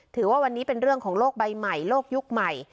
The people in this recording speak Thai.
ถือว่าวันนี้เป็นเรื่องของโลกใบใหม่โลกยุคใหม่